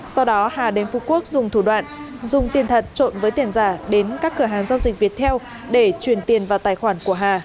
sau đó hà đến phú quốc dùng thủ đoạn dùng tiền thật trộn với tiền giả đến các cửa hàng giao dịch viettel để chuyển tiền vào tài khoản